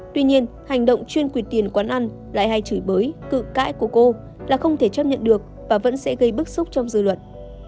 tuy nhiên hành động chuyên quyền tiền quán ăn lại hay chửi bới cự cãi của cô là không thể chấp nhận được và vẫn sẽ gây bức xúc trong dư luận